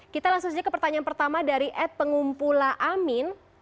kita langsung saja ke pertanyaan pertama dari ed pengumpul amin